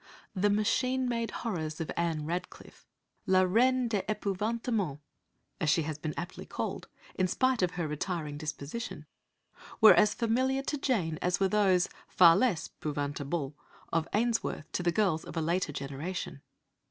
The machine made horrors of Ann Radcliffe "la reine des épouvantements" as she has been aptly called, in spite of her retiring disposition were as familiar to Jane as were those, far less pouvantable, of Ainsworth to the girls of a later generation.